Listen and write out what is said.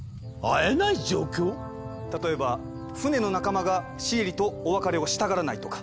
例えば船の仲間がシエリとお別れをしたがらないとか。